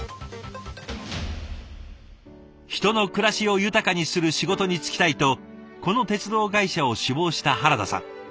人の暮らしを豊かにする仕事に就きたいとこの鉄道会社を志望した原田さん。